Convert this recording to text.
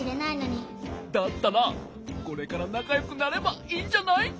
だったらこれからなかよくなればいいんじゃない？